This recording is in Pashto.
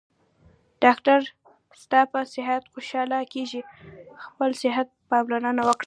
ډاکټر ستاپه صحت خوشحاله کیږي خپل صحته پاملرنه وکړه